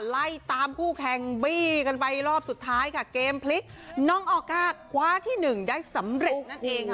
ไล่ตามคู่แข่งบี้กันไปรอบสุดท้ายค่ะเกมพลิกน้องออก้าคว้าที่หนึ่งได้สำเร็จนั่นเองค่ะ